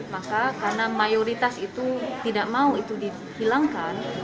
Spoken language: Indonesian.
maka karena mayoritas itu tidak mau itu dihilangkan